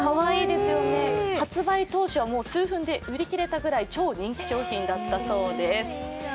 発売当初は数分で売り切れたぐらい人気の商品だそうです。